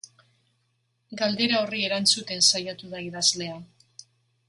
Galdera horri erantzuten saiatu da idazlea.